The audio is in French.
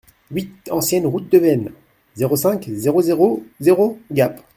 huit ancienne Route de Veynes, zéro cinq, zéro zéro zéro Gap